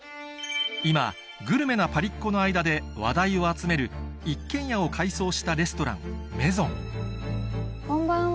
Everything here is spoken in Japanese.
今グルメなパリっ子の間で話題を集める一軒家を改装したレストランこんばんは。